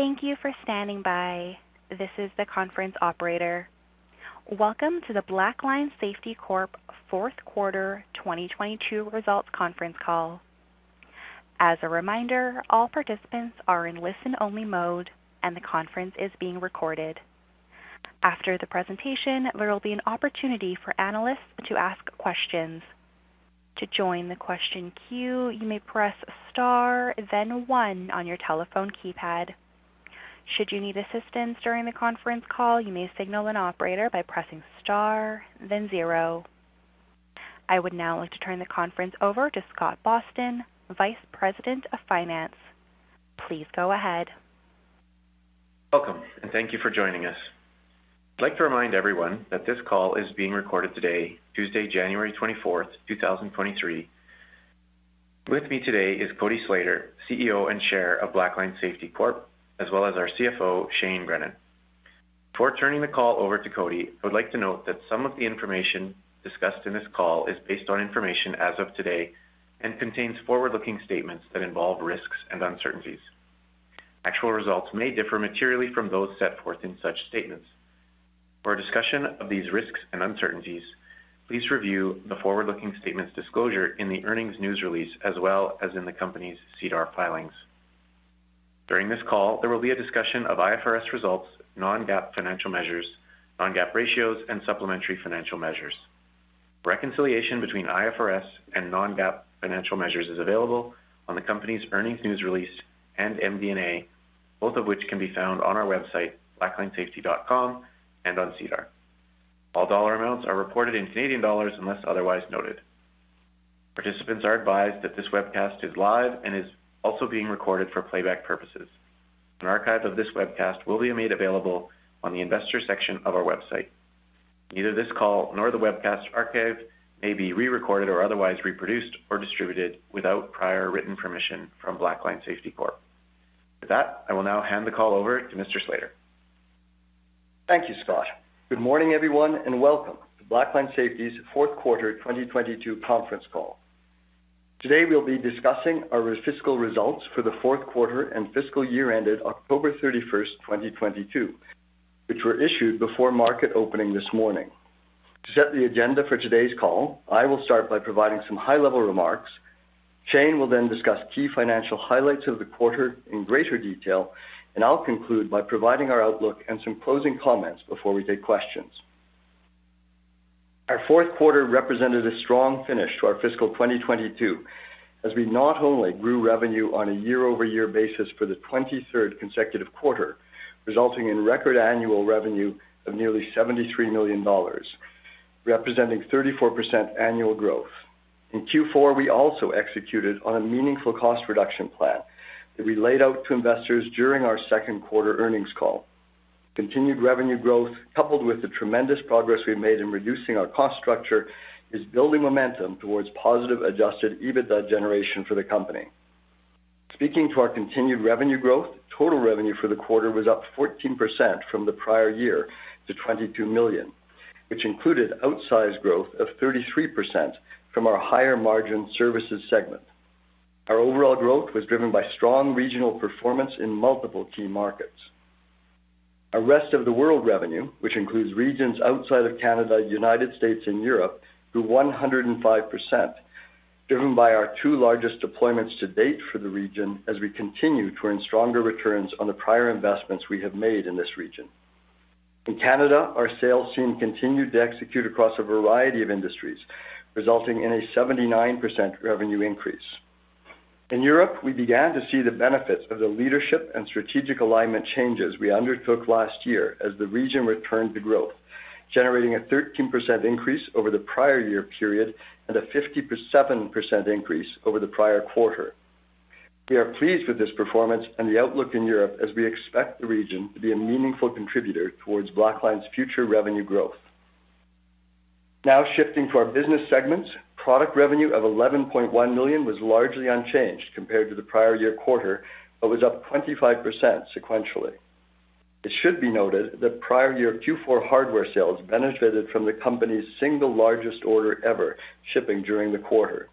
Thank you for standing by. This is the conference operator. Welcome to the Blackline Safety Corp fourth quarter 2022 results conference call. As a reminder, all participants are in listen-only mode and the conference is being recorded. After the presentation, there will be an opportunity for analysts to ask questions. To join the question queue, you may press star then one on your telephone keypad. Should you need assistance during the conference call, you may signal an operator by pressing star then zero. I would now like to turn the conference over to Scott Boston, Vice President of Finance. Please go ahead. Welcome. Thank you for joining us. I'd like to remind everyone that this call is being recorded today, Tuesday, January 24th, 2023. With me today is Cody Slater, CEO and Chair of Blackline Safety Corp, as well as our CFO, Shane Grennan. Before turning the call over to Cody, I would like to note that some of the information discussed in this call is based on information as of today and contains forward-looking statements that involve risks and uncertainties. Actual results may differ materially from those set forth in such statements. For a discussion of these risks and uncertainties, please review the forward-looking statements disclosure in the earnings news release as well as in the company's SEDAR filings. During this call, there will be a discussion of IFRS results, non-GAAP financial measures, non-GAAP ratios and supplementary financial measures. Reconciliation between IFRS and non-GAAP financial measures is available on the company's earnings news release and MD&A, both of which can be found on our website, blacklinesafety.com and on SEDAR. All dollar amounts are reported in Canadian dollars unless otherwise noted. Participants are advised that this webcast is live and is also being recorded for playback purposes. An archive of this webcast will be made available on the investor section of our website. Neither this call nor the webcast archive may be re-recorded or otherwise reproduced or distributed without prior written permission from Blackline Safety Corp. With that, I will now hand the call over to Mr. Slater. Thank you, Scott. Good morning, everyone, welcome to Blackline Safety's fourth quarter 2022 conference call. Today, we'll be discussing our fiscal results for the fourth quarter and fiscal year ended October 31st, 2022, which were issued before market opening this morning. To set the agenda for today's call, I will start by providing some high-level remarks. Shane will then discuss key financial highlights of the quarter in greater detail. I'll conclude by providing our outlook and some closing comments before we take questions. Our fourth quarter represented a strong finish to our fiscal 2022, as we not only grew revenue on a year-over-year basis for the 23rd consecutive quarter, resulting in record annual revenue of nearly 73 million dollars, representing 34% annual growth. In Q4, we also executed on a meaningful cost reduction plan that we laid out to investors during our second quarter earnings call. Continued revenue growth, coupled with the tremendous progress we've made in reducing our cost structure, is building momentum towards positive Adjusted EBITDA generation for the company. Speaking to our continued revenue growth, total revenue for the quarter was up 14% from the prior year to 22 million, which included outsized growth of 33% from our higher margin services segment. Our overall growth was driven by strong regional performance in multiple key markets. Our rest of the world revenue, which includes regions outside of Canada, United States and Europe, grew 105%, driven by our two largest deployments to date for the region as we continue to earn stronger returns on the prior investments we have made in this region. In Canada, our sales team continued to execute across a variety of industries, resulting in a 79% revenue increase. In Europe, we began to see the benefits of the leadership and strategic alignment changes we undertook last year as the region returned to growth, generating a 13% increase over the prior-year period and a 57% increase over the prior-quarter. We are pleased with this performance and the outlook in Europe as we expect the region to be a meaningful contributor towards Blackline's future revenue growth. Shifting to our business segments, product revenue of 11.1 million was largely unchanged compared to the prior-year quarter, but was up 25% sequentially. It should be noted that prior-year Q4 hardware sales benefited from the company's single largest order ever shipping during the quarter.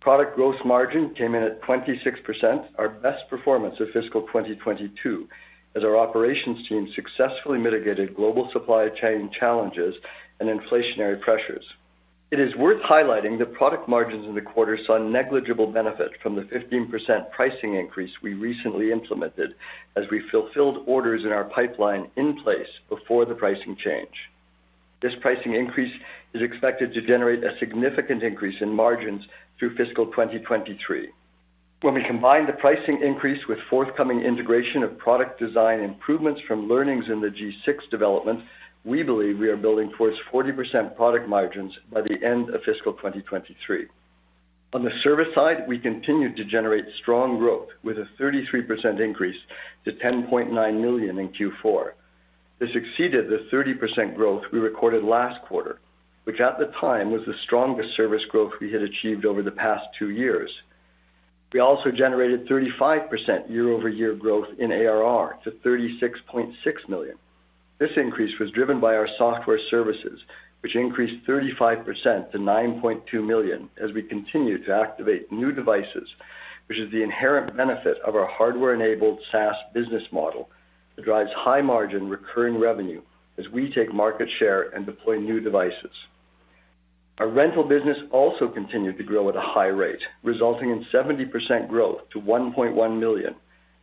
Product gross margin came in at 26%, our best performance of fiscal 2022, as our operations team successfully mitigated global supply chain challenges and inflationary pressures. It is worth highlighting the product margins in the quarter saw negligible benefit from the 15% pricing increase we recently implemented as we fulfilled orders in our pipeline in place before the pricing change. This pricing increase is expected to generate a significant increase in margins through fiscal 2023. When we combine the pricing increase with forthcoming integration of product design improvements from learnings in the G6 development, we believe we are building towards 40% product margins by the end of fiscal 2023. On the service side, we continued to generate strong growth with a 33% increase to 10.9 million in Q4. This exceeded the 30% growth we recorded last quarter, which at the time was the strongest service growth we had achieved over the past two years. We also generated 35% year-over-year growth in ARR to 36.6 million. This increase was driven by our software services, which increased 35% to 9.2 million as we continue to activate new devices, which is the inherent benefit of our hardware-enabled SaaS business model that drives high margin recurring revenue as we take market share and deploy new devices. Our rental business also continued to grow at a high rate, resulting in 70% growth to 1.1 million,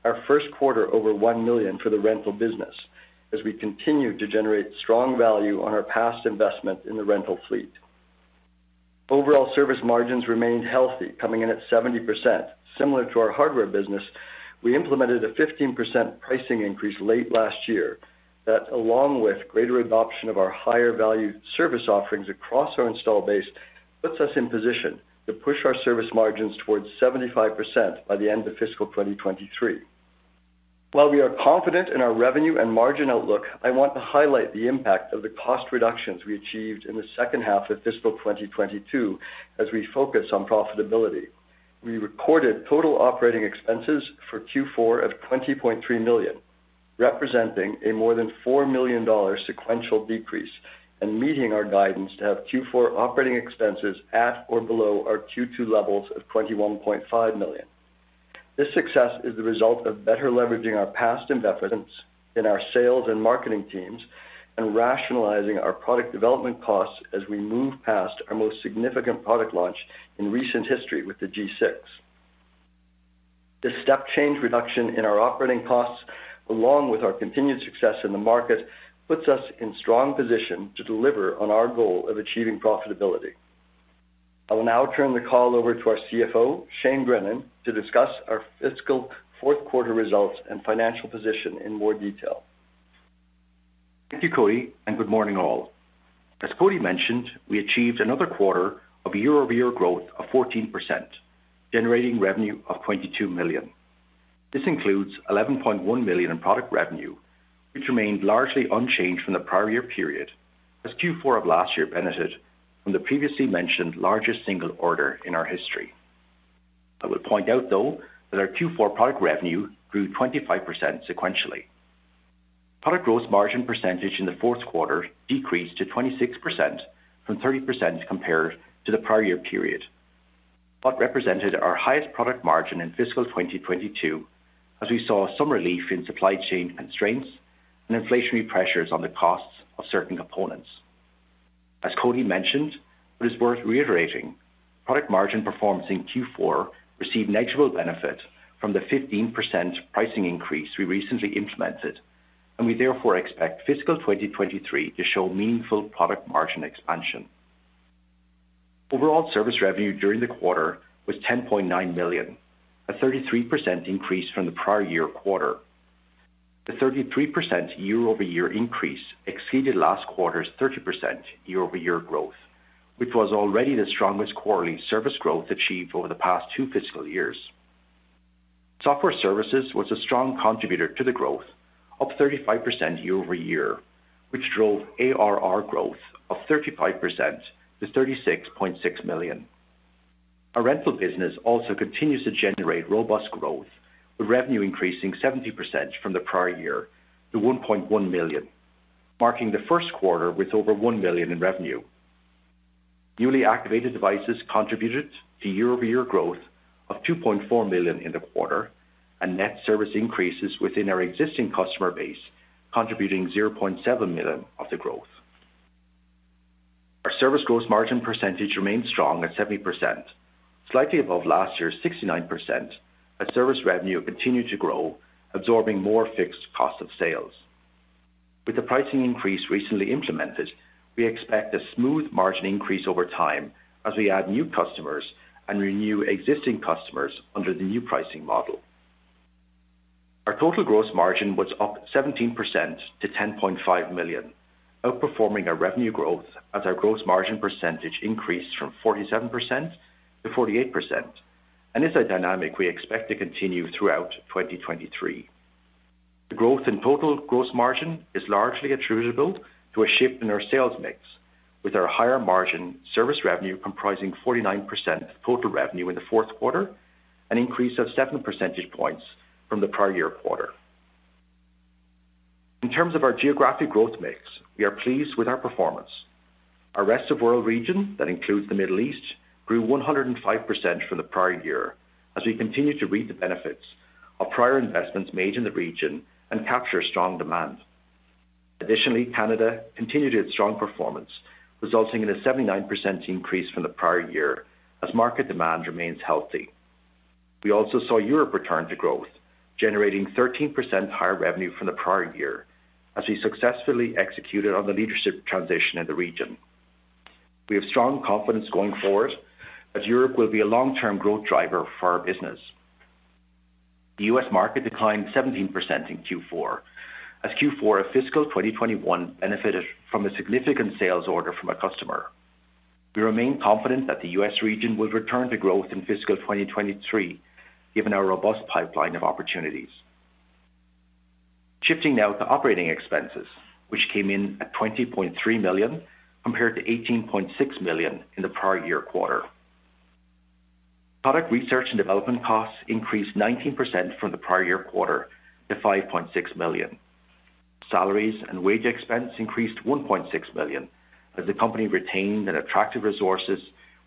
our first quarter over 1 million for the rental business as we continue to generate strong value on our past investment in the rental fleet. Overall service margins remained healthy, coming in at 70%. Similar to our hardware business, we implemented a 15% pricing increase late last year that, along with greater adoption of our higher value service offerings across our install base, puts us in position to push our service margins towards 75% by the end of fiscal 2023. While we are confident in our revenue and margin outlook, I want to highlight the impact of the cost reductions we achieved in the second half of fiscal 2022 as we focus on profitability. We recorded total OpEx for Q4 of 20.3 million, representing a more than 4 million dollar sequential decrease and meeting our guidance to have Q4 OpEx at or below our Q2 levels of 21.5 million. This success is the result of better leveraging our past investments in our sales and marketing teams and rationalizing our product development costs as we move past our most significant product launch in recent history with the G6. This step change reduction in our operating costs, along with our continued success in the market, puts us in strong position to deliver on our goal of achieving profitability. I will now turn the call over to our CFO, Shane Grennan, to discuss our fiscal fourth quarter results and financial position in more detail. Thank you, Cody, and good morning all. As Cody mentioned, we achieved another quarter of year-over-year growth of 14%, generating revenue of 22 million. This includes 11.1 million in product revenue, which remained largely unchanged from the prior year period as Q4 of last year benefited from the previously mentioned largest single order in our history. I would point out, though, that our Q4 product revenue grew 25% sequentially. Product gross margin percentage in the fourth quarter decreased to 26% from 30% compared to the prior year period, but represented our highest product margin in fiscal 2022 as we saw some relief in supply chain constraints and inflationary pressures on the costs of certain components. As Cody mentioned, it's worth reiterating, product margin performance in Q4 received negligible benefit from the 15% pricing increase we recently implemented, and we therefore expect fiscal 2023 to show meaningful product margin expansion. Overall service revenue during the quarter was 10.9 million, a 33% increase from the prior year quarter. The 33% year-over-year increase exceeded last quarter's 30% year-over-year growth, which was already the strongest quarterly service growth achieved over the past 2 fiscal years. Software services was a strong contributor to the growth, up 35% year-over-year, which drove ARR growth of 35% to 36.6 million. Our rental business also continues to generate robust growth, with revenue increasing 70% from the prior year to 1.1 million, marking the first quarter with over 1 million in revenue. Newly activated devices contributed to year-over-year growth of 2.4 million in the quarter, net service increases within our existing customer base, contributing 0.7 million of the growth. Our service gross margin percentage remained strong at 70%, slightly above last year's 69%, as service revenue continued to grow, absorbing more fixed cost of sales. With the pricing increase recently implemented, we expect a smooth margin increase over time as we add new customers and renew existing customers under the new pricing model. Our total gross margin was up 17% to 10.5 million, outperforming our revenue growth as our gross margin percentage increased from 47%-48%. It's a dynamic we expect to continue throughout 2023. The growth in total gross margin is largely attributable to a shift in our sales mix, with our higher margin service revenue comprising 49% of total revenue in the fourth quarter, an increase of 7% points from the prior year quarter. In terms of our geographic growth mix, we are pleased with our performance. Our rest of world region, that includes the Middle East, grew 105% from the prior year as we continue to reap the benefits of prior investments made in the region and capture strong demand. Additionally, Canada continued its strong performance, resulting in a 79% increase from the prior year as market demand remains healthy. We also saw Europe return to growth, generating 13% higher revenue from the prior year as we successfully executed on the leadership transition in the region. We have strong confidence going forward that Europe will be a long-term growth driver for our business. The US market declined 17% in Q4 as Q4 of fiscal 2021 benefited from a significant sales order from a customer. We remain confident that the US region will return to growth in fiscal 2023, given our robust pipeline of opportunities. Shifting now to operating expenses, which came in at 20.3 million compared to 18.6 million in the prior year quarter. Product research and development costs increased 19% from the prior year quarter to 5.6 million. Salaries and wage expense increased 1.6 million as the company retained and attracted resources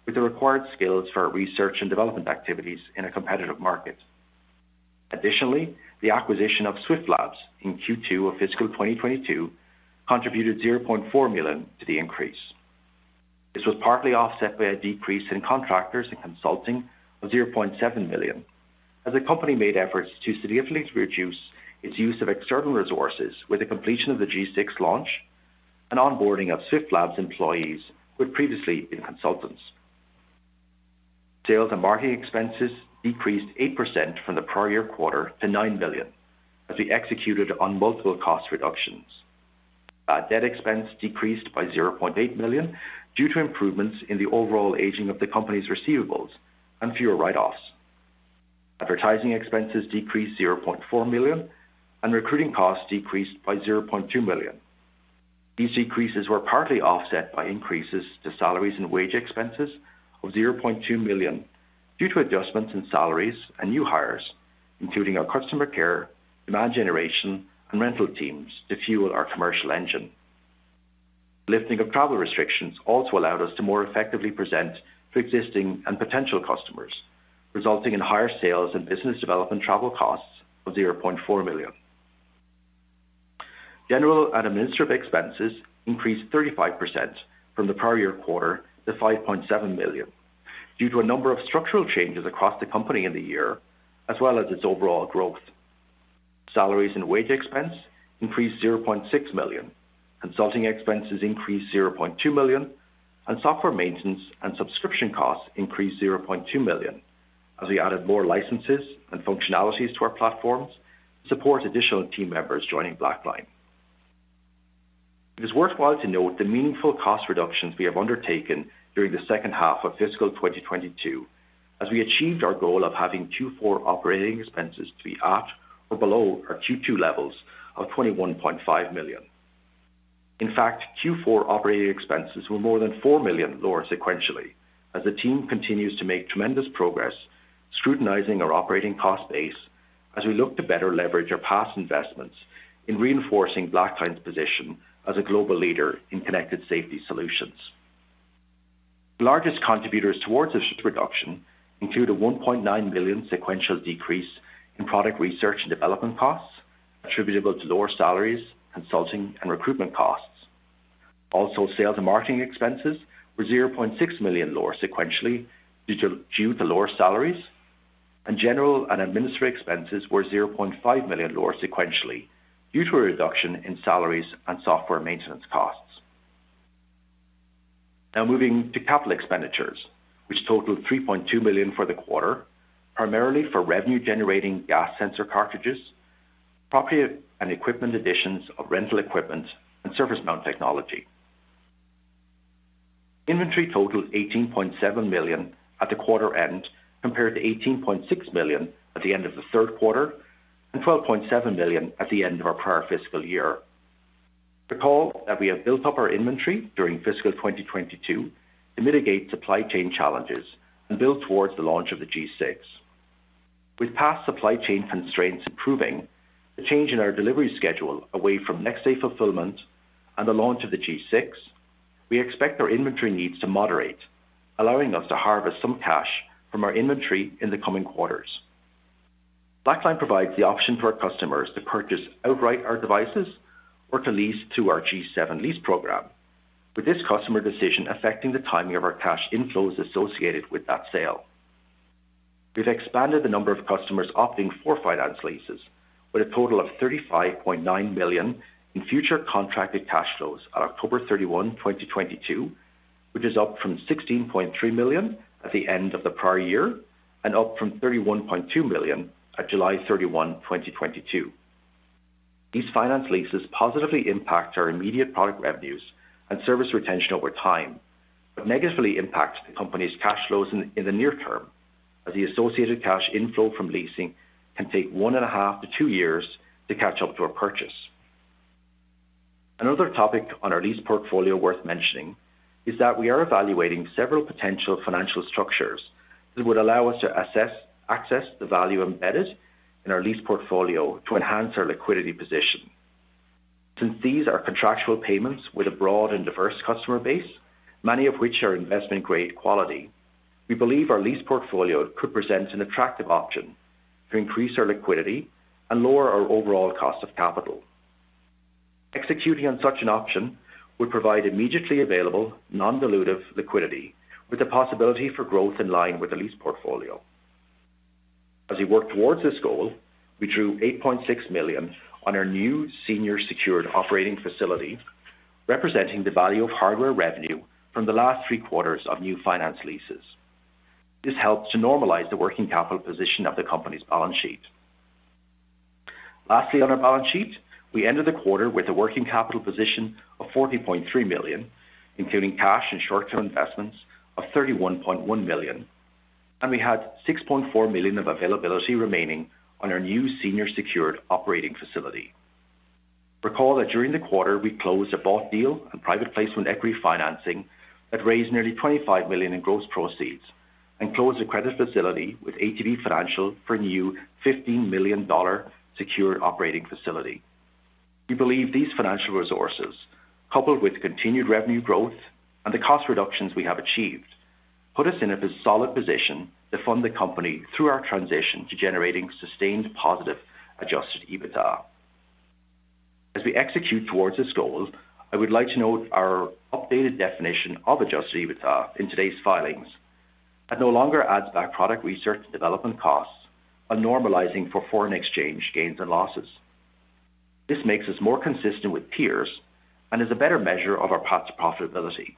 with the required skills for our research and development activities in a competitive market. Additionally, the acquisition of Swift Labs in Q2 of fiscal 2022 contributed 0.4 million to the increase. This was partly offset by a decrease in contractors and consulting of 0.7 million. As the company made efforts to significantly reduce its use of external resources with the completion of the G6 launch and onboarding of Swift Labs employees who had previously been consultants. Sales and marketing expenses decreased 8% from the prior year quarter to 9 million as we executed on multiple cost reductions. Bad debt expense decreased by 0.8 million due to improvements in the overall aging of the company's receivables and fewer write-offs. Advertising expenses decreased 0.4 million, and recruiting costs decreased by 0.2 million. These decreases were partly offset by increases to salaries and wage expenses of 0.2 million due to adjustments in salaries and new hires, including our customer care, demand generation, and rental teams to fuel our commercial engine. Lifting of travel restrictions also allowed us to more effectively present to existing and potential customers, resulting in higher sales and business development travel costs of 0.4 million. General and administrative expenses increased 35% from the prior year quarter to 5.7 million due to a number of structural changes across the company in the year, as well as its overall growth. Salaries and wage expense increased 0.6 million, consulting expenses increased 0.2 million, and software maintenance and subscription costs increased 0.2 million as we added more licenses and functionalities to our platforms to support additional team members joining Blackline. It is worthwhile to note the meaningful cost reductions we have undertaken during the second half of fiscal 2022 as we achieved our goal of having Q4 operating expenses to be at or below our Q2 levels of 21.5 million. In fact, Q4 operating expenses were more than 4 million lower sequentially as the team continues to make tremendous progress scrutinizing our operating cost base as we look to better leverage our past investments in reinforcing Blackline's position as a global leader in connected safety solutions. The largest contributors towards this reduction include a 1.9 million sequential decrease in product research and development costs attributable to lower salaries, consulting, and recruitment costs. Also, sales and marketing expenses were 0.6 million lower sequentially due to lower salaries, and general and administrative expenses were 0.5 million lower sequentially due to a reduction in salaries and software maintenance costs. Now moving to capital expenditures, which totaled 3.2 million for the quarter, primarily for revenue-generating gas sensor cartridges, property and equipment additions of rental equipment, and Surface Mount Technology. Inventory totaled 18.7 million at the quarter end compared to 18.6 million at the end of the third quarter and 12.7 million at the end of our prior fiscal year. Recall that we have built up our inventory during fiscal 2022 to mitigate supply chain challenges and build towards the launch of the G6. With past supply chain constraints improving, the change in our delivery schedule away from next-day fulfillment and the launch of the G6, we expect our inventory needs to moderate, allowing us to harvest some cash from our inventory in the coming quarters. Blackline provides the option for our customers to purchase outright our devices or to lease through our G7 lease program. With this customer decision affecting the timing of our cash inflows associated with that sale. We've expanded the number of customers opting for finance leases with a total of 35.9 million in future contracted cash flows at October 31, 2022, which is up from 16.3 million at the end of the prior year and up from 31.2 million at July 31, 2022. These finance leases positively impact our immediate product revenues and service retention over time, negatively impact the company's cash flows in the near term as the associated cash inflow from leasing can take one and a half to two years to catch up to our purchase. Another topic on our lease portfolio worth mentioning is that we are evaluating several potential financial structures that would allow us to access the value embedded in our lease portfolio to enhance our liquidity position. These are contractual payments with a broad and diverse customer base, many of which are investment-grade quality, we believe our lease portfolio could present an attractive option to increase our liquidity and lower our overall cost of capital. Executing on such an option would provide immediately available non-dilutive liquidity with the possibility for growth in line with the lease portfolio. As we work towards this goal, we drew 8.6 million on our new senior secured operating facility, representing the value of hardware revenue from the last three quarters of new finance leases. This helps to normalize the working capital position of the company's balance sheet. Lastly, on our balance sheet, we ended the quarter with a working capital position of 40.3 million, including cash and short-term investments of 31.1 million. We had 6.4 million of availability remaining on our new senior secured operating facility. Recall that during the quarter, we closed a bought deal and private placement equity financing that raised nearly 25 million in gross proceeds and closed a credit facility with ATB Financial for new 15 million dollar secured operating facility. We believe these financial resources, coupled with continued revenue growth and the cost reductions we have achieved, put us in a solid position to fund the company through our transition to generating sustained positive Adjusted EBITDA. As we execute towards this goal, I would like to note our updated definition of Adjusted EBITDA in today's filings that no longer adds back product research development costs and normalizing for foreign exchange gains and losses. This makes us more consistent with peers and is a better measure of our path to profitability.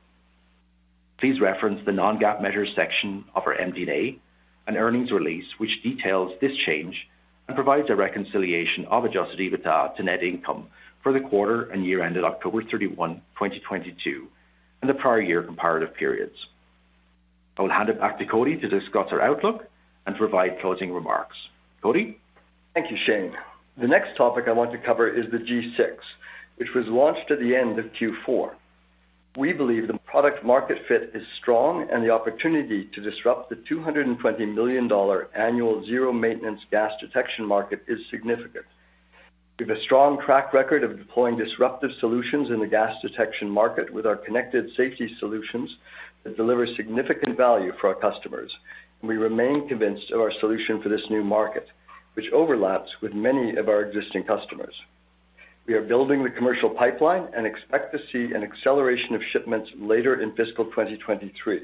Please reference the non-GAAP measure section of our MD&A and earnings release, which details this change and provides a reconciliation of Adjusted EBITDA to net income for the quarter and year ended October 31, 2022, and the prior year comparative periods. I will hand it back to Cody to discuss our outlook and provide closing remarks. Cody? Thank you, Shane. The next topic I want to cover is the G6, which was launched at the end of Q4. We believe the product market fit is strong and the opportunity to disrupt the 220 million dollar annual zero-maintenance gas detection market is significant. We have a strong track record of deploying disruptive solutions in the gas detection market with our connected safety solutions that deliver significant value for our customers, and we remain convinced of our solution for this new market, which overlaps with many of our existing customers. We are building the commercial pipeline and expect to see an acceleration of shipments later in fiscal 2023.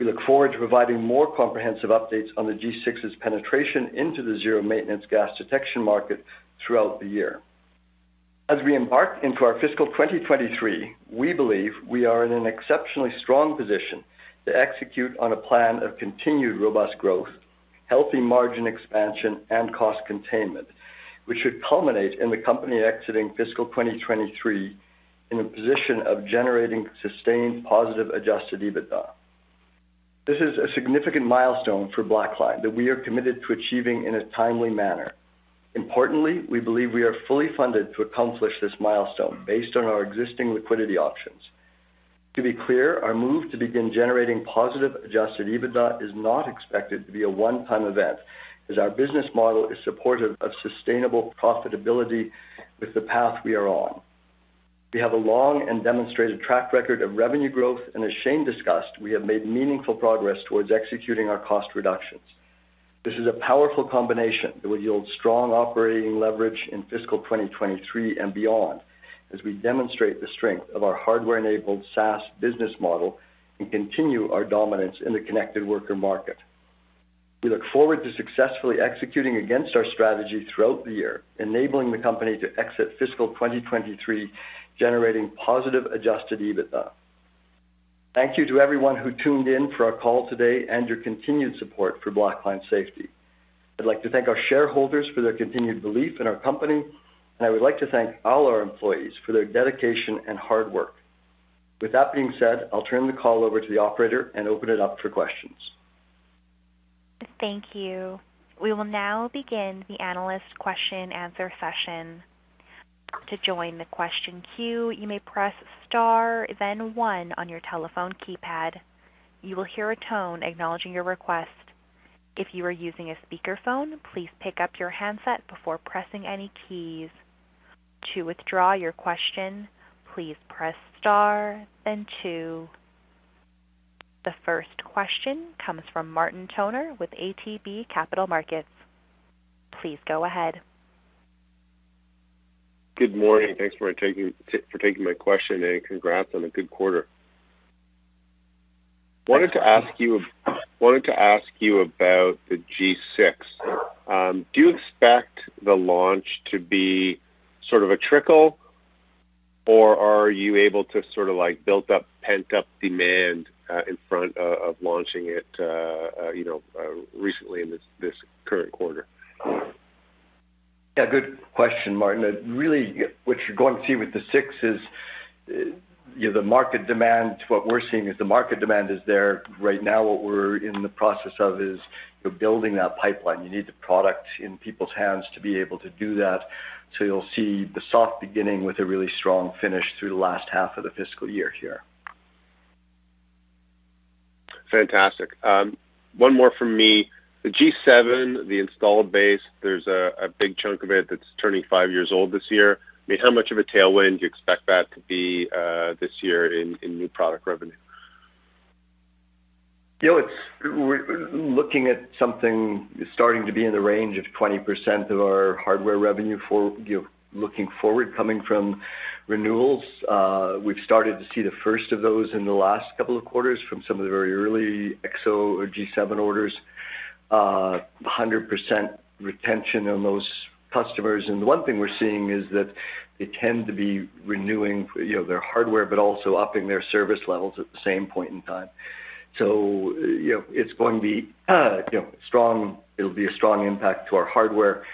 We look forward to providing more comprehensive updates on the G6's penetration into the zero-maintenance gas detection market throughout the year. As we embark into our fiscal 2023, we believe we are in an exceptionally strong position to execute on a plan of continued robust growth, healthy margin expansion, and cost containment, which should culminate in the company exiting fiscal 2023 in a position of generating sustained positive Adjusted EBITDA. This is a significant milestone for Blackline that we are committed to achieving in a timely manner. Importantly, we believe we are fully funded to accomplish this milestone based on our existing liquidity options. To be clear, our move to begin generating positive Adjusted EBITDA is not expected to be a one-time event as our business model is supportive of sustainable profitability with the path we are on. We have a long and demonstrated track record of revenue growth, and as Shane discussed, we have made meaningful progress towards executing our cost reductions. This is a powerful combination that will yield strong operating leverage in fiscal 2023 and beyond as we demonstrate the strength of our hardware-enabled SaaS business model and continue our dominance in the connected worker market. We look forward to successfully executing against our strategy throughout the year, enabling the company to exit fiscal 2023 generating positive Adjusted EBITDA. Thank you to everyone who tuned in for our call today and your continued support for Blackline Safety. I'd like to thank our shareholders for their continued belief in our company, and I would like to thank all our employees for their dedication and hard work. With that being said, I'll turn the call over to the operator and open it up for questions. Thank you. We will now begin the analyst question-answer session. To join the question queue, you may press star then one on your telephone keypad. You will hear a tone acknowledging your request. If you are using a speakerphone, please pick up your handset before pressing any keys. To withdraw your question, please press star then two. The first question comes from Martin Toner with ATB Capital Markets. Please go ahead. Good morning. Thanks for taking my question, Congrats on a good quarter. Wanted to ask you about the G6. Do you expect the launch to be sort of a trickle, or are you able to sort of like built up, pent up demand in front of launching it, you know, recently in this current quarter? Yeah, good question, Martin. Really, what you're going to see with the G6 is, you know, the market demand, what we're seeing is the market demand is there right now. What we're in the process of is building that pipeline. You need the product in people's hands to be able to do that. You'll see the soft beginning with a really strong finish through the last half of the fiscal year here. Fantastic. One more from me. The G7, the installed base, there's a big chunk of it that's turning five years old this year. I mean, how much of a tailwind do you expect that to be this year in new product revenue? You know, it's we're looking at something starting to be in the range of 20% of our hardware revenue for, you know, looking forward, coming from renewals. We've started to see the first of those in the last couple of quarters from some of the very early EXO or G7 orders, 100% retention on those customers. The one thing we're seeing is that they tend to be renewing, you know, their hardware, but also upping their service levels at the same point in time. You know, it's going to be, know, strong. It'll be a strong impact to our hardware,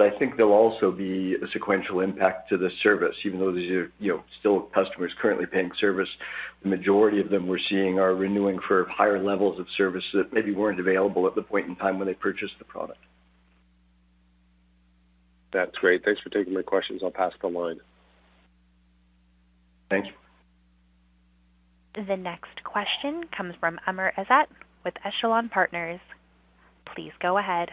but I think there'll also be a sequential impact to the service, even though these are, you know, still customers currently paying service. The majority of them we're seeing are renewing for higher levels of service that maybe weren't available at the point in time when they purchased the product. That's great. Thanks for taking my questions. I'll pass the line. Thanks. The next question comes from Amir Eilon with Eilon andAssociates. Please go ahead.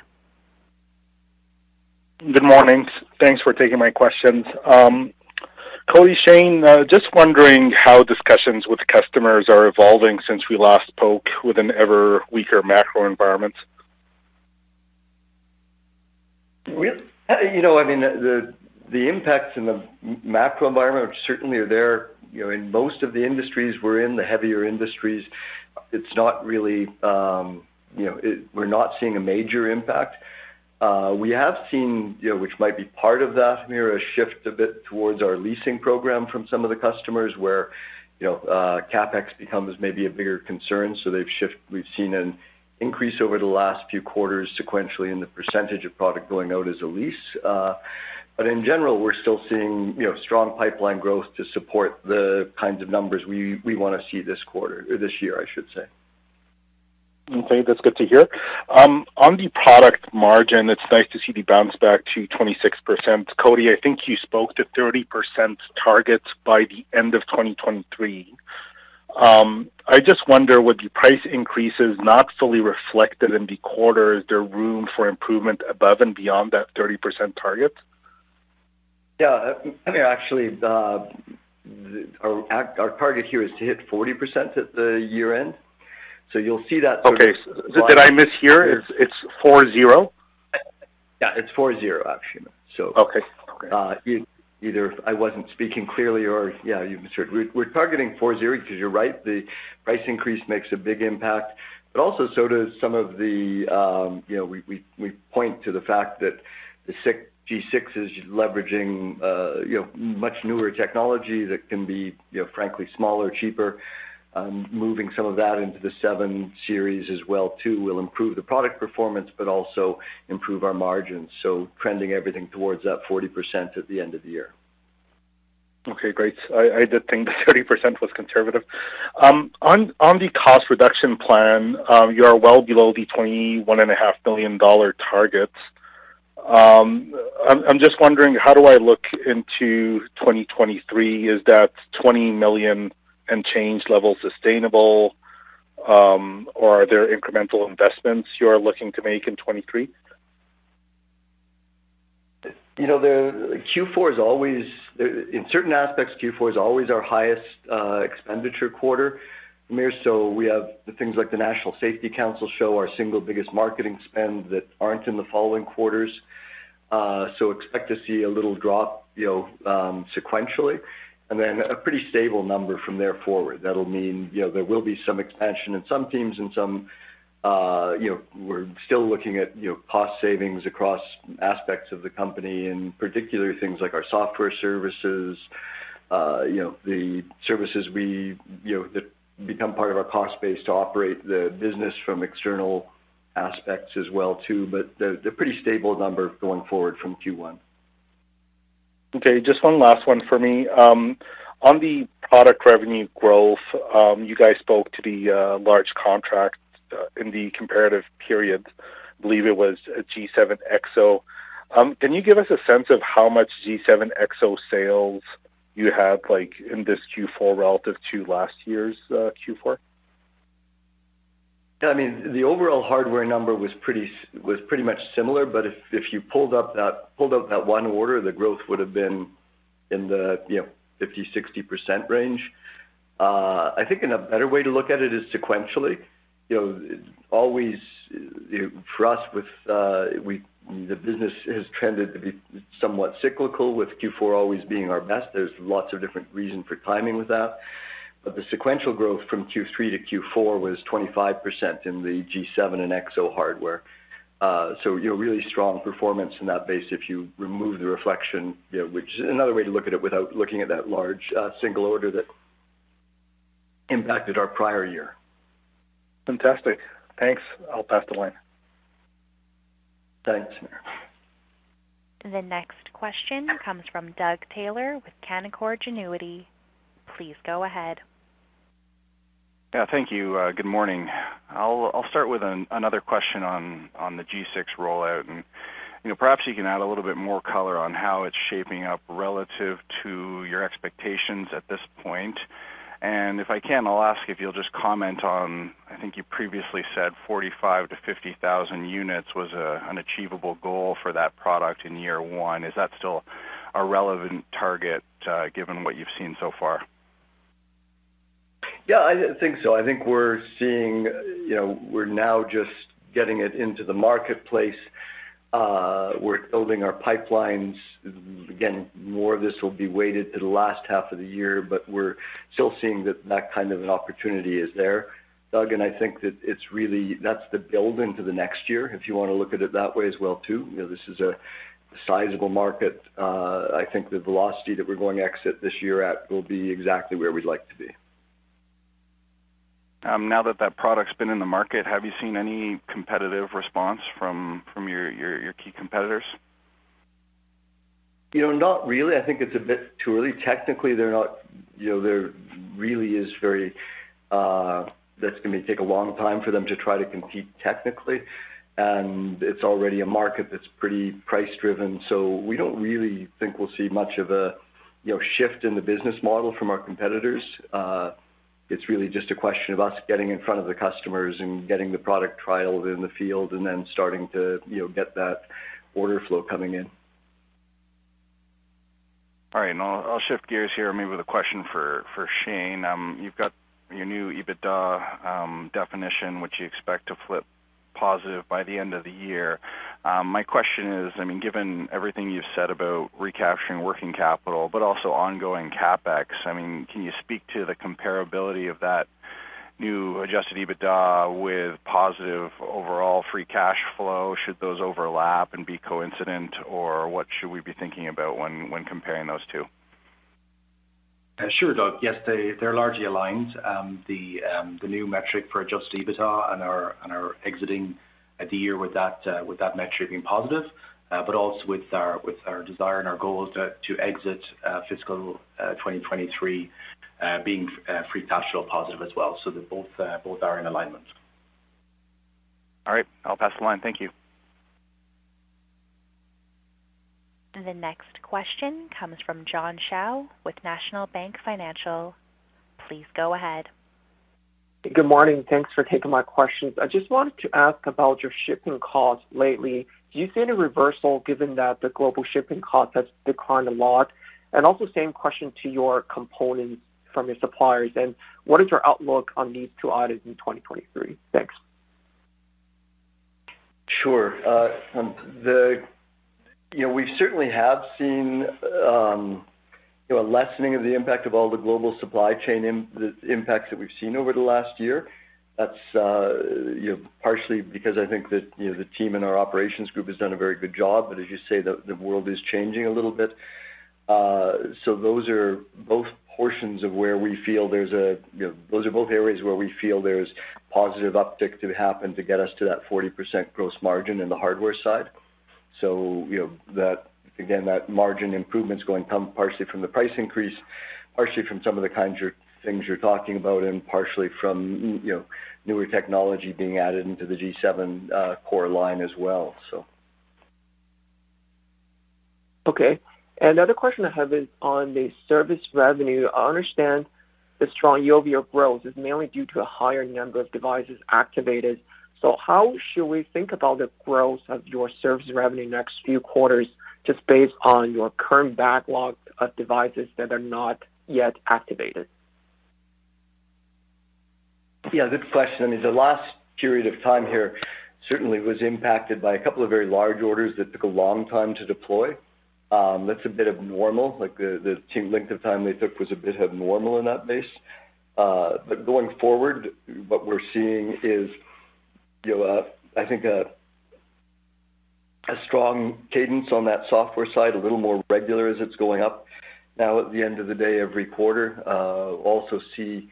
Good morning. Thanks for taking my questions. Cody, Shane, just wondering how discussions with customers are evolving since we last spoke with an ever weaker macro environment? You know, I mean, the impacts in the macro environment certainly are there, you know, in most of the industries we're in, the heavier industries. It's not really, you know. We have seen, you know, which might be part of that, Amir, a shift a bit towards our leasing program from some of the customers where, you know, CapEx becomes maybe a bigger concern. We've seen an increase over the last few quarters sequentially in the percentage of product going out as a lease. In general, we're still seeing, you know, strong pipeline growth to support the kinds of numbers we wanna see this quarter or this year, I should say. That's good to hear. On the product margin, it's nice to see the bounce back to 26%. Cody, I think you spoke to 30% target by the end of 2023. I just wonder, with the price increases not fully reflected in the quarter, is there room for improvement above and beyond that 30% target? Yeah. I mean, actually, our target here is to hit 40% at the year-end. You'll see that sort of. Okay. Did I miss hear? It's 40? Yeah, it's 40, actually. Okay. Okay. Either I wasn't speaking clearly or, yeah, you misheard. We're targeting 40%, because you're right, the price increase makes a big impact. Also so does some of the, you know. We point to the fact that the G6 is leveraging, you know, much newer technology that can be, you know, frankly, smaller, cheaper. Moving some of that into the G7 series as well too will improve the product performance, but also improve our margins. Trending everything towards that 40% at the end of the year. Okay, great. I did think the 30% was conservative. On the cost reduction plan, you are well below the 21.5 million dollar targets. I'm just wondering, how do I look into 2023? Is that 20 million and change level sustainable, or are there incremental investments you are looking to make in 2023? You know, the Q4 is always... In certain aspects, Q4 is always our highest expenditure quarter, Amir. We have the things like the National Safety Council show, our single biggest marketing spend that aren't in the following quarters. Expect to see a little drop, you know, sequentially, and then a pretty stable number from there forward. That'll mean, you know, there will be some expansion in some teams and some, you know... We're still looking at, you know, cost savings across aspects of the company, in particular things like our software services, you know, the services we, you know, that become part of our cost base to operate the business from external aspects as well too. They're pretty stable number going forward from Q1. Just one last one for me. On the product revenue growth, you guys spoke to the large contract in the comparative period. I believe it was a G7 EXO. Can you give us a sense of how much G7 EXO sales you have, like, in this Q4 relative to last year's Q4? I mean, the overall hardware number was pretty much similar, but if you pulled up that one order, the growth would have been in the, you know, 50%-60% range. I think in a better way to look at it is sequentially. You know, always, for us, with the business has tended to be somewhat cyclical with Q4 always being our best. There's lots of different reason for timing with that. The sequential growth from Q3-Q4 was 25% in the G7 and EXO hardware. You know, really strong performance in that base if you remove the reflection, you know, which is another way to look at it without looking at that large single order that impacted our prior year. Fantastic. Thanks. I'll pass the line. Thanks, Amir. The next question comes from Doug Taylor with Canaccord Genuity. Please go ahead. Yeah, thank you. Good morning. I'll start with another question on the G6 rollout. You know, perhaps you can add a little bit more color on how it's shaping up relative to your expectations at this point. If I can, I'll ask if you'll just comment on, I think you previously said 45,000-50,000 units was an achievable goal for that product in year one. Is that still a relevant target given what you've seen so far? Yeah, I think so. I think we're seeing, you know, we're now just getting it into the marketplace. We're building our pipelines. Again, more of this will be weighted to the last half of the year. We're still seeing that kind of an opportunity is there, Doug. I think that That's the build into the next year, if you wanna look at it that way as well, too. You know, this is a sizable market. I think the velocity that we're going exit this year at will be exactly where we'd like to be. Now that that product's been in the market, have you seen any competitive response from your key competitors? You know, not really. I think it's a bit too early. Technically, they're not, you know, there really is very, that's gonna take a long time for them to try to compete technically. It's already a market that's pretty price-driven. We don't really think we'll see much of a, you know, shift in the business model from our competitors. It's really just a question of us getting in front of the customers and getting the product trialed in the field and then starting to, you know, get that order flow coming in. All right. I'll shift gears here maybe with a question for Shane. You've got your new EBITDA definition, which you expect to flip positive by the end of the year. My question is, I mean, given everything you've said about recapturing working capital, but also ongoing CapEx, I mean, can you speak to the comparability of that new Adjusted EBITDA with positive overall free cash flow? Should those overlap and be coincident, or what should we be thinking about when comparing those two? Sure, Doug. Yes, they're largely aligned. The new metric for Adjusted EBITDA and our exiting the year with that metric being positive, but also with our desire and our goal to exit fiscal 2023 being free cash flow positive as well. Both are in alignment. All right. I'll pass the line. Thank you. The next question comes from John Shao with National Bank Financial. Please go ahead. Good morning. Thanks for taking my questions. I just wanted to ask about your shipping costs lately. Do you see any reversal given that the global shipping costs has declined a lot? Also same question to your components from your suppliers. What is your outlook on these two items in 2023? Thanks. Sure. You know, we certainly have seen, you know, a lessening of the impact of all the global supply chain the impacts that we've seen over the last year. That's, you know, partially because I think that, you know, the team in our operations group has done a very good job. As you say, the world is changing a little bit. Those are both portions of where we feel there's a, you know, those are both areas where we feel there's positive uptick to happen to get us to that 40% gross margin in the hardware side. You know, that, again, that margin improvement's going to come partially from the price increase, partially from some of the things you're talking about, and partially from, you know, newer technology being added into the G7 core line as well. Okay. Another question I have is on the service revenue. I understand the strong year-over-year growth is mainly due to a higher number of devices activated. How should we think about the growth of your service revenue next few quarters just based on your current backlog of devices that are not yet activated? Yeah, good question. I mean, the last period of time here certainly was impacted by a couple of very large orders that took a long time to deploy. That's a bit abnormal. Like, the length of time they took was a bit abnormal in that base. But going forward, what we're seeing is, you know, I think a strong cadence on that software side, a little more regular as it's going up. Now at the end of the day, every quarter. You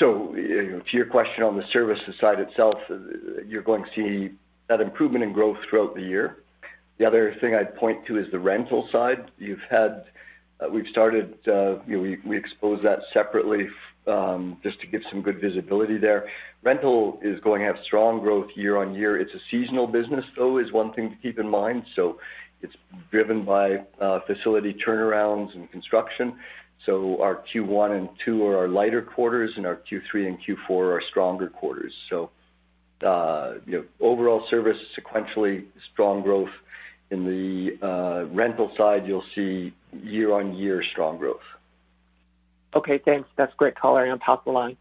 know, to your question on the services side itself, you're going to see that improvement in growth throughout the year. The other thing I'd point to is the rental side. You've had, we've started, you know, we expose that separately, just to give some good visibility there. Rental is going to have strong growth year-on-year. It's a seasonal business, though, is one thing to keep in mind. It's driven by facility turnarounds and construction. Our Q1 and Q2 are our lighter quarters, and our Q3 and Q4 are stronger quarters. You know, overall service sequentially strong growth. In the rental side, you'll see year-on-year strong growth. Okay, thanks. That's great color. I'll pass the line.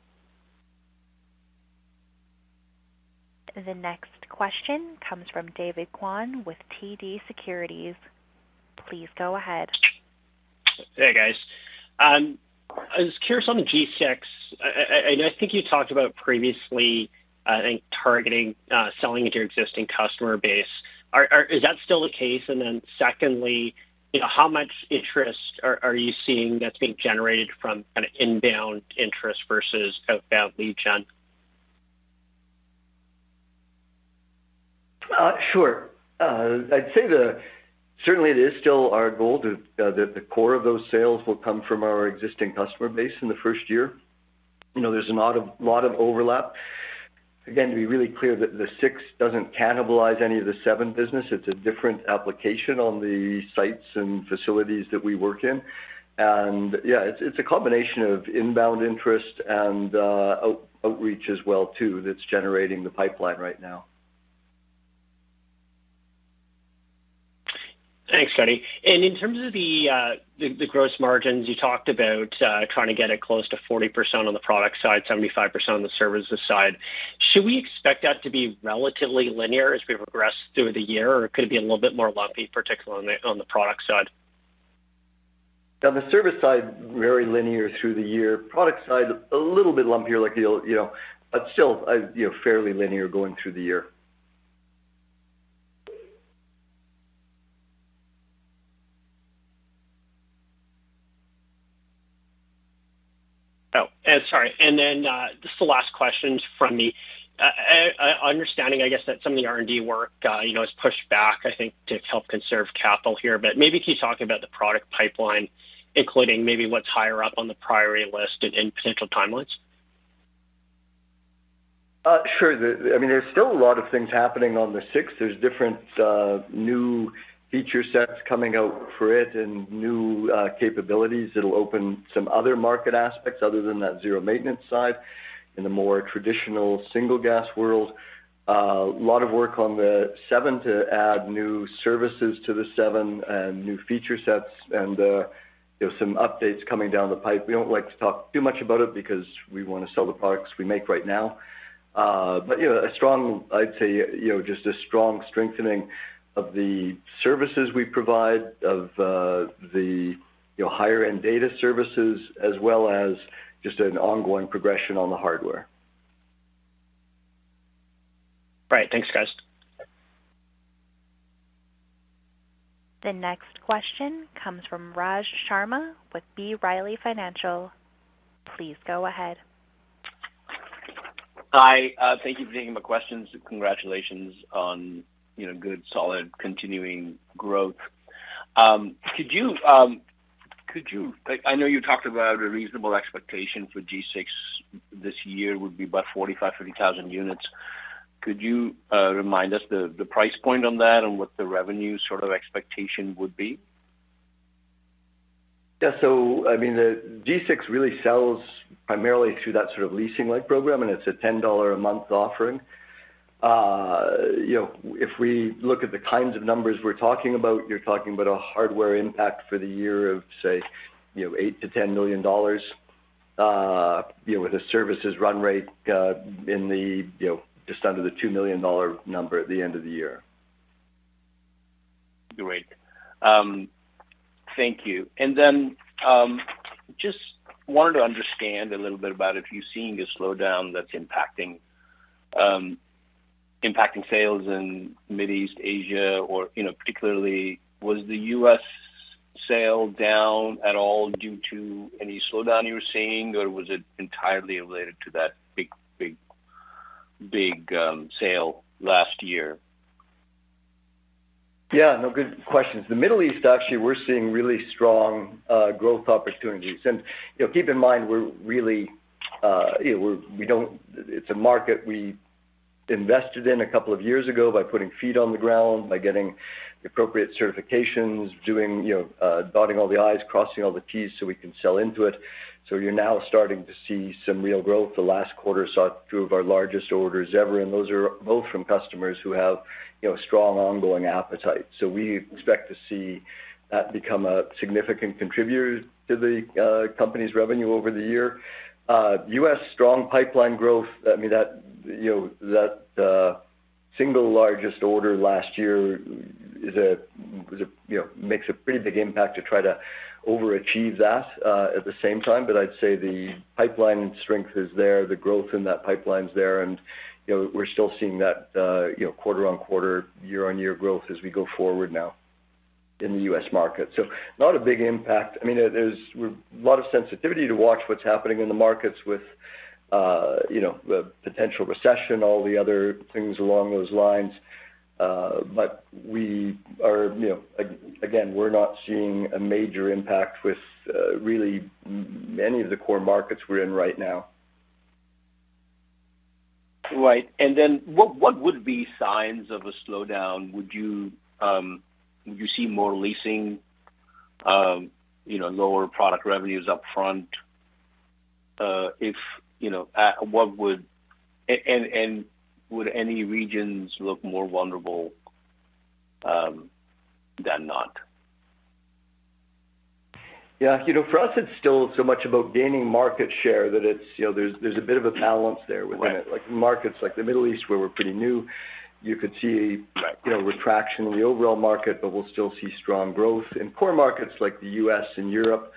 The next question comes from David Kwan with TD Securities. Please go ahead. Hey, guys. I was curious on the G6. I think you talked about previously, I think targeting selling into your existing customer base. Is that still the case? Secondly, you know, how much interest are you seeing that's being generated from kind of inbound interest versus outbound lead gen? Sure. I'd say certainly it is still our goal to that the core of those sales will come from our existing customer base in the first year. You know, there's a lot of overlap. Again, to be really clear, the six doesn't cannibalize any of the seven business. It's a different application on the sites and facilities that we work in. Yeah, it's a combination of inbound interest and outreach as well too that's generating the pipeline right now. Thanks, Cody. In terms of the gross margins, you talked about trying to get it close to 40% on the product side, 75% on the services side. Should we expect that to be relatively linear as we progress through the year, or could it be a little bit more lumpy, particularly on the product side? On the service side, very linear through the year. Product side, a little bit lumpier like the old, you know. Still, you know, fairly linear going through the year. Sorry. Then, just the last question from me. Understanding, I guess that some of the R&D work, you know, is pushed back, I think, to help conserve capital here, but maybe keep talking about the product pipeline, including maybe what's higher up on the priority list and potential timelines. Sure. I mean, there's still a lot of things happening on the G6. There's different new feature sets coming out for it and new capabilities that'll open some other market aspects other than that zero-maintenance side in the more traditional single gas world. A lot of work on the G7 to add new services to the G7 and new feature sets and, you know, some updates coming down the pipe. We don't like to talk too much about it because we wanna sell the products we make right now. You know, a strong, I'd say, you know, just a strong strengthening of the services we provide of the, you know, higher-end data services, as well as just an ongoing progression on the hardware. Right. Thanks, guys. The next question comes from Raj Sharma with B. Riley Financial. Please go ahead. Hi. thank you for taking my questions. Congratulations on, you know, good, solid continuing growth. I know you talked about a reasonable expectation for G6 this year would be about 45,000-50,000 units. Could you remind us the price point on that and what the revenue sort of expectation would be? I mean, the G6 really sells primarily through that sort of leasing-like program, and it's a 10 dollar a month offering. You know, if we look at the kinds of numbers we're talking about, you're talking about a hardware impact for the year of, say, you know, 8 million-10 million dollars, you know, with a services run rate, in the, you know, just under the 2 million dollar number at the end of the year. Great. Thank you. Just wanted to understand a little bit about if you're seeing a slowdown that's impacting sales in Middle East, Asia, or, you know, particularly was the U.S. sale down at all due to any slowdown you were seeing, or was it entirely related to that big sale last year? Yeah. No, good questions. The Middle East, actually, we're seeing really strong growth opportunities. You know, keep in mind, we're really, you know, it's a market we invested in a couple of years ago by putting feet on the ground, by getting the appropriate certifications, doing, you know, dotting all the I's, crossing all the T's so we can sell into it. You're now starting to see some real growth. The last quarter saw two of our largest orders ever. Those are both from customers who have, you know, strong ongoing appetite. We expect to see that become a significant contributor to the company's revenue over the year. U.S., strong pipeline growth. I mean that, you know, that single largest order last year is a, you know, makes a pretty big impact to try to overachieve that at the same time. I'd say the pipeline strength is there, the growth in that pipeline's there. You know, we're still seeing that, you know, quarter-on-quarter, year-on-year growth as we go forward now in the U.S. market. Not a big impact. I mean, there's a lot of sensitivity to watch what's happening in the markets with, you know, the potential recession, all the other things along those lines. We are, you know, again, we're not seeing a major impact with really any of the core markets we're in right now. Right. What would be signs of a slowdown? Would you see more leasing, you know, lower product revenues up front? Would any regions look more vulnerable than not? Yeah. You know, for us, it's still so much about gaining market share that it's, you know, there's a bit of a balance there within it. Right. Like markets like the Middle East, where we're pretty new, you could see- Right You know, retraction in the overall market, but we'll still see strong growth. In core markets like the US and Europe,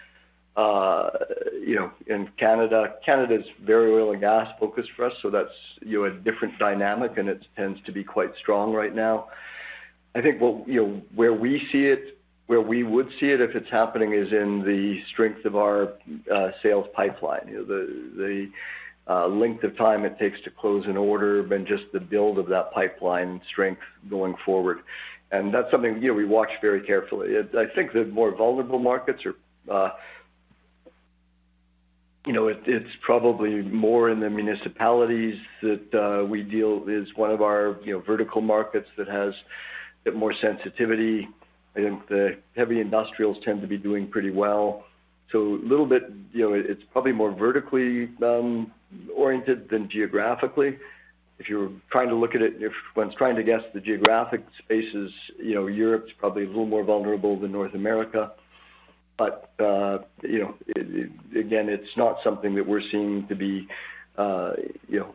you know, and Canada. Canada's very oil and gas focused for us, so that's, you know, a different dynamic, and it tends to be quite strong right now. I think what, you know, where we see it, where we would see it, if it's happening, is in the strength of our sales pipeline. You know, the length of time it takes to close an order and just the build of that pipeline strength going forward. That's something, you know, we watch very carefully. I think the more vulnerable markets are, you know, it's probably more in the municipalities that we deal is one of our, you know, vertical markets that has a bit more sensitivity. I think the heavy industrials tend to be doing pretty well. A little bit, you know, it's probably more vertically oriented than geographically. If you're trying to look at it, if one's trying to guess the geographic spaces, you know, Europe's probably a little more vulnerable than North America. You know, again, it's not something that we're seeing to be, you know.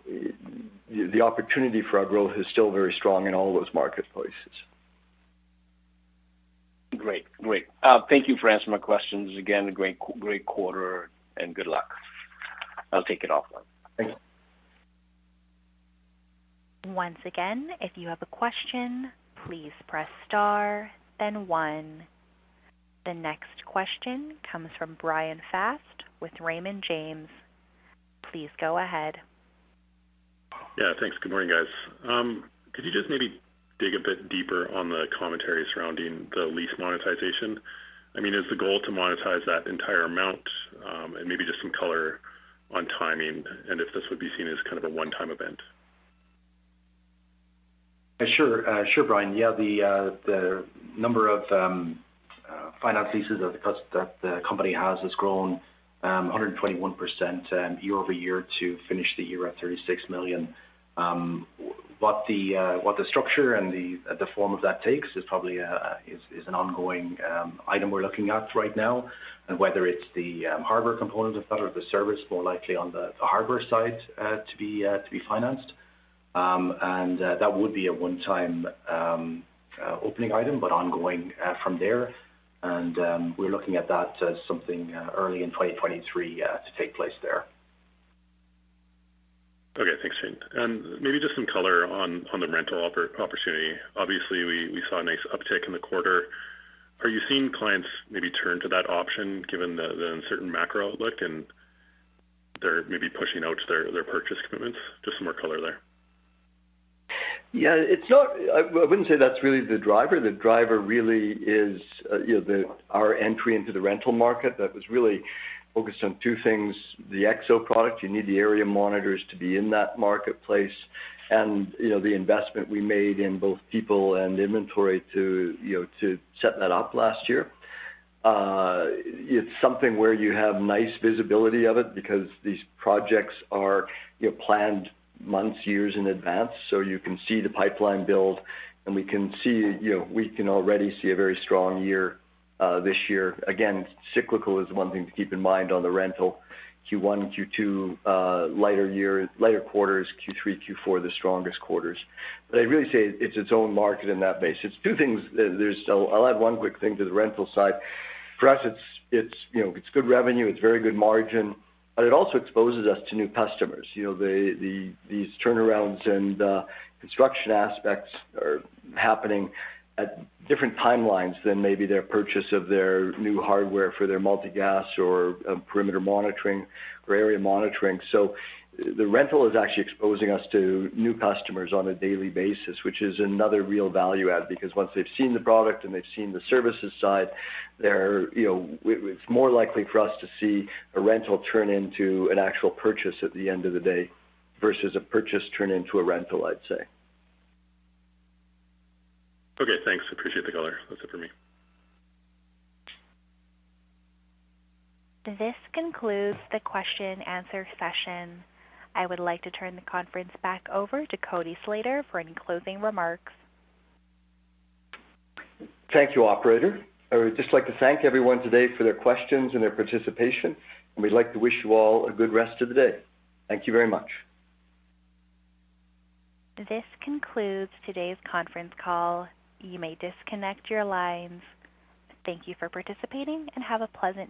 The opportunity for our growth is still very strong in all those marketplaces. Great. Great. Thank you for answering my questions. Again, great quarter and good luck. I'll take it offline. Thanks. Once again, if you have a question, please press star then one. The next question comes from Bryan Fast with Raymond James. Please go ahead. Yeah, thanks. Good morning, guys. Could you just maybe dig a bit deeper on the commentary surrounding the lease monetization? I mean, is the goal to monetize that entire amount? Maybe just some color on timing and if this would be seen as kind of a one-time event. Yeah, sure. Sure, Bryan. Yeah, the number of finance leases that the company has grown 121% year-over-year to finish the year at 36 million. What the structure and the form of that takes is probably an ongoing item we're looking at right now. Whether it's the hardware component of that or the service, more likely on the hardware side, to be financed. That would be a one-time opening item, but ongoing from there. We're looking at that as something early in 2023 to take place there. Okay. Thanks, Shane. Maybe just some color on the rental opportunity. Obviously, we saw a nice uptick in the quarter. Are you seeing clients maybe turn to that option given the uncertain macro outlook, and they're maybe pushing out their purchase commitments? Just some more color there. Yeah, I wouldn't say that's really the driver. The driver really is, you know, our entry into the rental market that was really focused on two things, the EXO product. You need the area monitors to be in that marketplace. You know, the investment we made in both people and inventory to, you know, to set that up last year. It's something where you have nice visibility of it because these projects are, you know, planned months, years in advance, so you can see the pipeline build, and we can see, you know, we can already see a very strong year this year. Again, cyclical is one thing to keep in mind on the rental. Q1, Q2, lighter year, lighter quarters. Q3, Q4 are the strongest quarters. I'd really say it's its own market in that base. It's two things. I'll add one quick thing to the rental side. For us, it's, you know, good revenue, very good margin, but it also exposes us to new customers. You know, these turnarounds and construction aspects are happening at different timelines than maybe their purchase of their new hardware for their multi-gas or perimeter monitoring or area monitoring. The rental is actually exposing us to new customers on a daily basis, which is another real value add. Once they've seen the product and they've seen the services side, they're, you know, it's more likely for us to see a rental turn into an actual purchase at the end of the day, versus a purchase turn into a rental, I'd say. Okay, thanks. Appreciate the color. That's it for me. This concludes the question and answer session. I would like to turn the conference back over to Cody Slater for any closing remarks. Thank you, operator. I would just like to thank everyone today for their questions and their participation. We'd like to wish you all a good rest of the day. Thank you very much. This concludes today's conference call. You may disconnect your lines. Thank you for participating and have a pleasant day.